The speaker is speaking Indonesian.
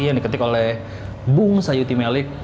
yang diketik oleh bung sayuti melik